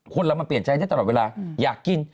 คนเรามันเปลี่ยนใจได้ตลอดเวลาอยากกิน